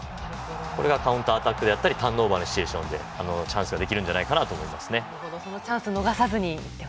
カウンターアタックであったりターンオーバーのシチュエーションでチャンスができるんじゃないかなと思いますね。